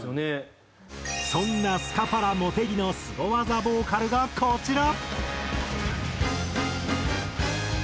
そんなスカパラ茂木のスゴ技ボーカルがこちら。